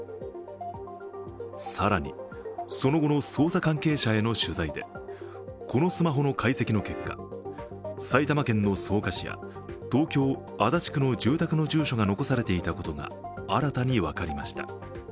更に、その後の捜査関係者への取材でこのスマホの解析の結果、埼玉県の草加市や東京・足立区の住宅の住所が残されていたことが新たに分かりました。